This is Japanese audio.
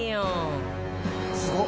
すごっ！